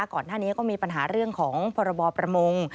ก่อนหน้านี้ก็มีปัญหาเรื่องของพรบประมง